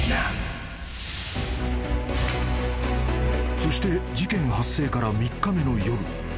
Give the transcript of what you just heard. ［そして事件発生から３日目の夜］